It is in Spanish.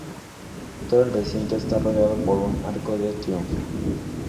Todo el recinto está rodeado por un arco de triunfo.